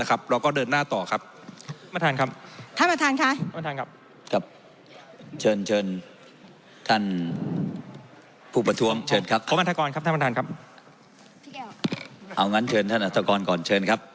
เราก็เดินหน้าต่อครับ